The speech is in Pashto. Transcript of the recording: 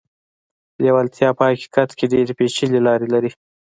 لېوالتیا په حقيقت کې ډېرې پېچلې لارې لري.